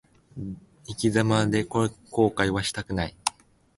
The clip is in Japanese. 生き様で後悔はしたくない。